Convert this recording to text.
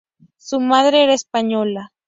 Su madre era española.